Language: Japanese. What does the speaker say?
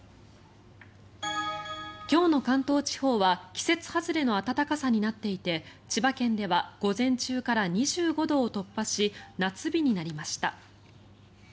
今日の関東地方は季節外れの暖かさになっていて千葉県では午前中から２５度を突破し夏日になりました。